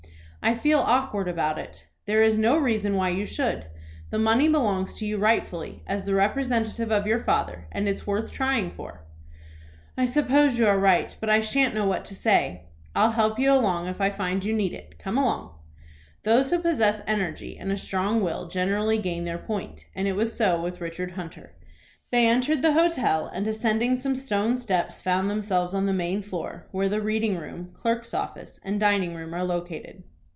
"I feel awkward about it." "There is no reason why you should. The money belongs to you rightfully, as the representative of your father, and it is worth trying for." "I suppose you are right, but I shan't know what to say." "I'll help you along if I find you need it. Come along." Those who possess energy and a strong will generally gain their point, and it was so with Richard Hunter. They entered the hotel, and, ascending some stone steps, found themselves on the main floor, where the reading room, clerk's office, and dining room are located.